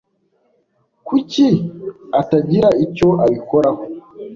Kuki atagira icyo abikoraho?